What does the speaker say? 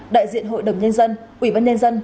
đại diện hội đồng nhân dân ủy ban nhân dân